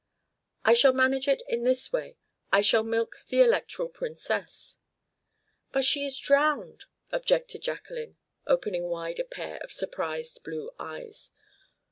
"I shall manage it in this way, I shall milk the Electoral Princess." "But she is drowned," objected Jacqueline, opening wide a pair of surprised blue eyes.